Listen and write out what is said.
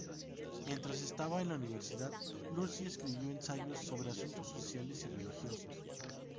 Mientras estaba en la universidad, Lucy escribió ensayos sobre asuntos sociales y religiosos.